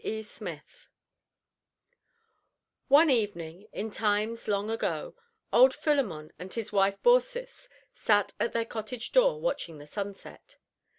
E. SMITH One evening, in times long ago, old Philemon and his wife Baucis sat at their cottage door watching the sunset.